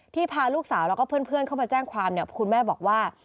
พาลูกสาวแล้วก็เพื่อนเข้ามาแจ้งความเนี่ยคุณแม่บอกว่า